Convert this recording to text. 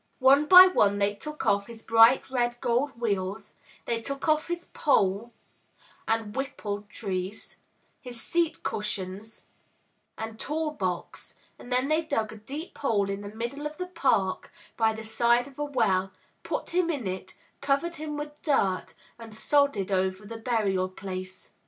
One by one they took off his bright red gold wheels, they took off his pole, and Whipple trees, his seat cushions, and tool box, and then they dug a deep hole in the middle of the Park, by the side of a well, put him in, covered him with dirt, and sodded over the burial place.